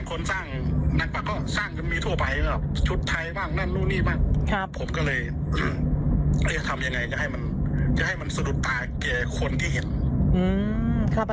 ก็เห็นแล้วสะดุดตา